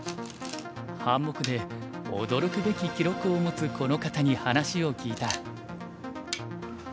半目で驚くべき記録を持つこの方に話を聞いた。